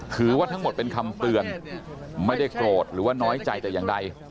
ทั้งหมดเป็นคำเตือนไม่ได้โกรธหรือว่าน้อยใจแต่อย่างใด